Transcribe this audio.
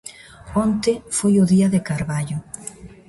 Onte foi o día de Carballo.